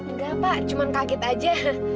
nggak pak cuma kaget aja